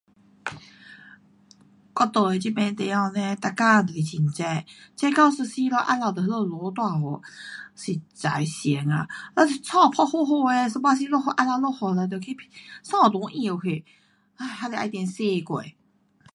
我住的这边地方嘞每天都是很热，热到一时了下午就那边落大雨，实在嫌啊，咱都衣嗮好好的，有半时落雨下午落雨咯得去，衣都湿去，嗨，还得重洗过。